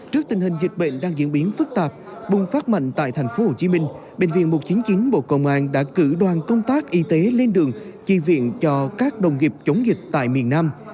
trước tình hình dịch bệnh đang diễn biến phức tạp bùng phát mạnh tại tp hcm bệnh viện một trăm chín mươi chín bộ công an đã cử đoàn công tác y tế lên đường chi viện cho các đồng nghiệp chống dịch tại miền nam